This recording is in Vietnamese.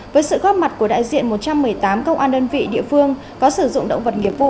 với sự góp mặt của đại diện một trăm một mươi tám công an đơn vị địa phương có sử dụng động vật nghiệp vụ